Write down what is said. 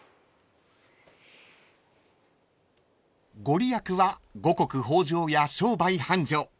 ［御利益は五穀豊穣や商売繁盛］